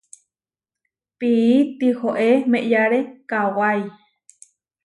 Pií tihoé meʼyáre kawái.